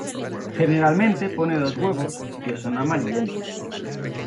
Generalmente pone dos huevos que son amarillentos.